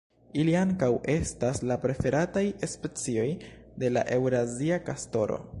Ili ankaŭ estas la preferataj specioj de la eŭrazia kastoro.